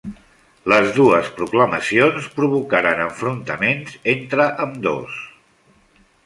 Les dues proclamacions provocaren enfrontaments entre ambdós.